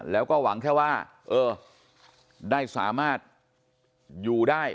แล้วก็หวังแค่ว่าเออได้สามารถอยู่ได้